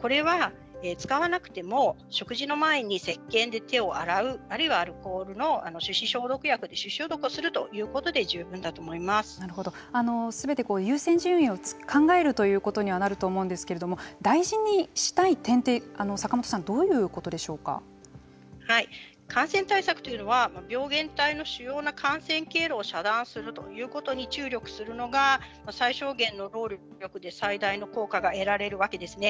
これは使わなくても食事の前にせっけんで手を洗うあるいはアルコールの手指消毒薬で手指消毒をするということですべて優先順位を考えるということにはなると思うんですけれども大事にしたい点って坂本さん感染対策というのは病原体の主要な感染経路を遮断するということに注力するのが最小限の労力で最大の効果が得られるわけですね。